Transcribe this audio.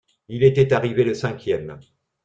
Il était arrivé le cinquième.